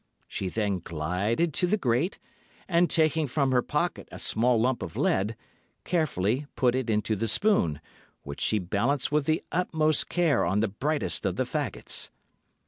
She then glided to the grate, and taking from her pocket a small lump of lead, carefully put it into the spoon, which she balanced with the utmost care on the brightest of the faggots.